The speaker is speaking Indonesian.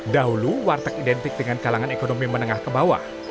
dahulu warteg identik dengan kalangan ekonomi menengah ke bawah